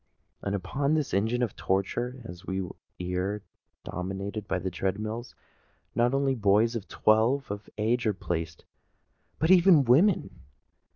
And upon this engine of torture, as we ere now denominated the tread mill, not only boys of twelve years of age are placed, but even women!